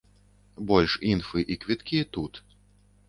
Больш інфы і квіткі тут.